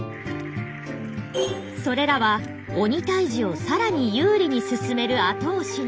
それらは鬼退治を更に有利に進める後押しに。